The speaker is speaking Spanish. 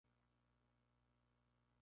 East Studios, Salt Lake City, Utah.